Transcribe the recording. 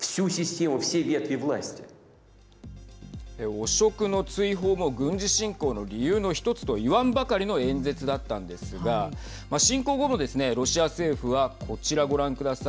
汚職の追放も軍事侵攻の理由の１つと言わんばかりの演説だったんですが侵攻後もですね、ロシア政府はこちら、ご覧ください。